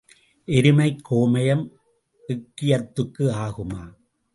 எருமைக் கோமயம் எக்கியத்துக்கு ஆகுமா?